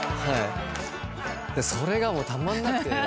それがたまんなくて。